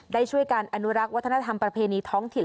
ได้ช่วยการอนุรักษ์วัฒนธรรมประเพณีท้องถิ่น